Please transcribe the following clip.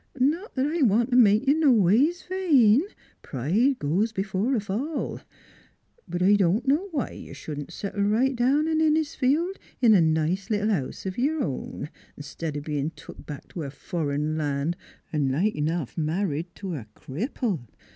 Not 'at I want t' make you noways vain; pride goes b'fore a fall; but I don't know why you shouldn't settle right down in In nesfield in a nice little house o' your own, 'stead o' bein' took back t' a fur'n land, an' like enough married to a cripple.